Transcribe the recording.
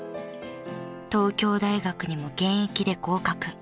［東京大学にも現役で合格］